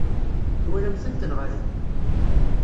Twalam-tent neɣ ala?